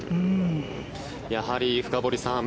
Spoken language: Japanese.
やはり、深堀さん